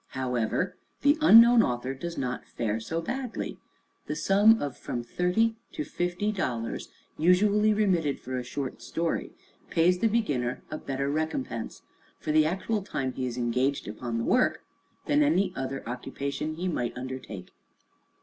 However, the unknown author does not fare so badly. The sum of from thirty to fifty dollars usually remitted for a short story pays the beginner a better recompense, for the actual time he is engaged upon the work, than any other occupation he might undertake."